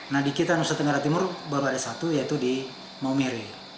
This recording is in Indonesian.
nah di kita nusa tenggara timur baru ada satu yaitu di maumere